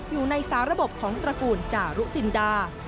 อยู่ในสาระบบของตระกูลจารุจินดา